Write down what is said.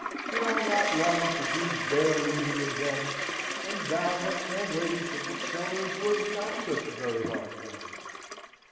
Did I not long to be bear leading again, and vow that translating for booksellers was not such very hard drudgery?